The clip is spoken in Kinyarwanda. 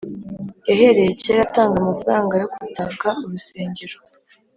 Yahereye cyera atanga amafaranga yo gutaka urusengero